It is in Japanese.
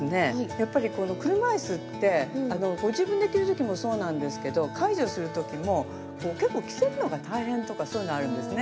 やっぱり車いすってご自分で着る時もそうなんですけど介助する時も結構着せるのが大変とかそういうのあるんですね。